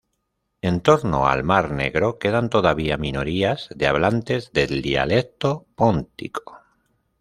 En torno al mar Negro quedan todavía minorías de hablantes del dialecto póntico.